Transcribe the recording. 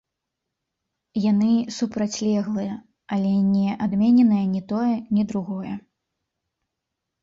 Яны супрацьлеглыя, але не адмененае не тое, ні другое.